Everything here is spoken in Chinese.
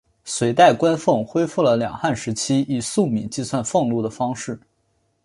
隋代官俸恢复了两汉时期以粟米计算俸禄的方式。